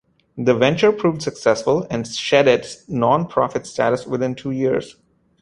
The venture proved successful and shed its non-profit status within two years.